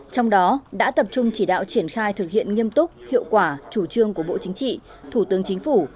trong đó đã tập trung chỉ đạo triển khai thực hiện nghiêm túc hiệu quả chủ trương của bộ chính trị thủ tướng chính phủ